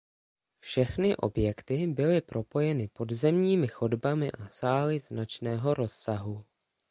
Všechny objekty byly propojeny podzemními chodbami a sály značného rozsahu.